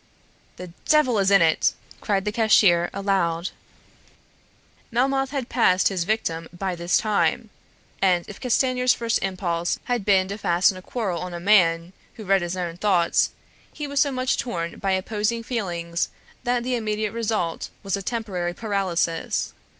"The devil is in it!" cried the cashier aloud. Melmoth had passed his victim by this time; and if Castanier's first impulse had been to fasten a quarrel on a man who read his own thoughts, he was so much torn by opposing feelings that the immediate result was a temporary paralysis.